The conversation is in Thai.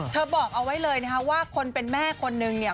บอกเอาไว้เลยนะคะว่าคนเป็นแม่คนนึงเนี่ย